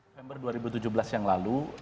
november dua ribu tujuh belas yang lalu